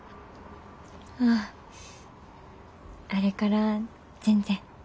あああれから全然。